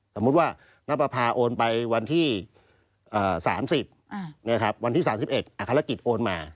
สมมุติว่านับประพาโอนไปวันที่๓๐วันที่๓๑อัครกิจโอนมา